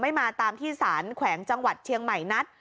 มาตามที่สารแขวงจังหวัดเชียงใหม่นัด